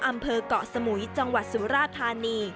อำเภอกเกาะสมุยจังหวัดสุราธานี